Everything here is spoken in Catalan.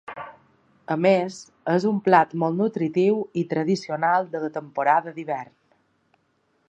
A més és un plat molt nutritiu i tradicional de la temporada d’hivern.